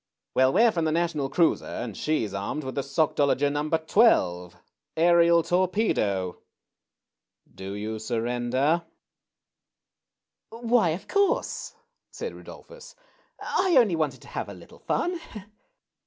"Well, we're from the "National Cruiser" and she's armed with the Sockdolager No. 12, aerial torpedo. Do you surrender ?"" Why, of course," said Rudolphus. " I only wanted to have a little fun."